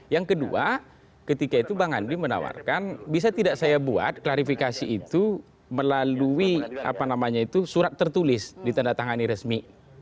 yang kedua ketika itu bang andi menawarkan bisa tidak saya buat klarifikasi itu melalui surat tertulis ditandatangani resmi